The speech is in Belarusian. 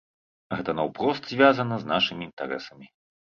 Гэта наўпрост звязана з нашымі інтарэсамі.